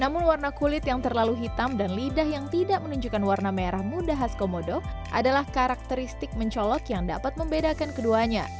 namun warna kulit yang terlalu hitam dan lidah yang tidak menunjukkan warna merah muda khas komodo adalah karakteristik mencolok yang dapat membedakan keduanya